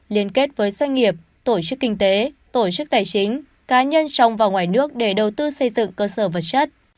liên kết với doanh nghiệp tổ chức kinh tế tổ chức tài chính cá nhân trong và ngoài nước để đầu tư xây dựng cơ sở vật chất